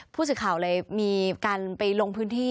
ผู้สื่อข่าวเลยมีการไปลงพื้นที่